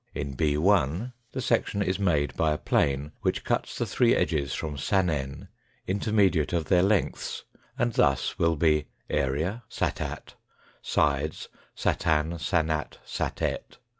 In bj the section is made by a APPENDIX II 267 plane which cuts the three edges from sanen intermediate of their lengths and thus will be : Area : satat. Sides : satan, sanat, satet.